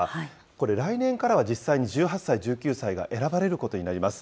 これ、来年からは実際に１８歳、１９歳が選ばれることになります。